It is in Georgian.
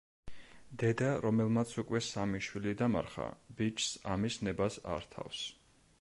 დედა, რომელმაც უკვე სამი შვილი დამარხა, ბიჭს ამის ნებას არ რთავს.